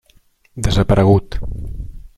Desaparegut.